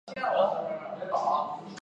嘉靖三十五年丙辰科进士。